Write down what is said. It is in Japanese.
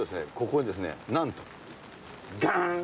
ここにですねなんとガーン。